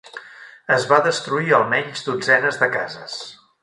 Es va destruir almenys dotzenes de cases.